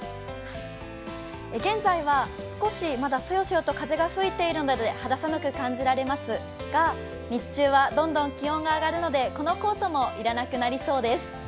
現在は少しまだそよそよと風が吹いているので肌寒く感じられますが日中はどんどん気温が上がるのでこのコートも要らなくなりそうです。